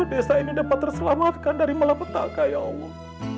desa ini dapat terselamatkan dari malapetaka ya allah